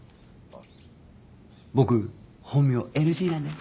僕本名ＮＧなんで。